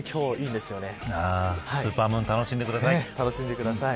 スーパームーン楽しんでください。